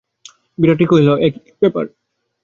বিহারী কহিল, এ কী ব্যাপার।